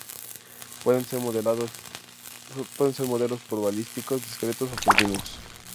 Pueden ser modelos probabilísticos discretos o continuos.